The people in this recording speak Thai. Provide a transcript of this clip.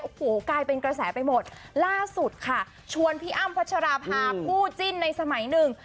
โอ้โหกลายเป็นกระแสไปหมดล่าสุดค่ะชวนพี่อ้ำพัชราภาคู่จิ้นในสมัยหนึ่ง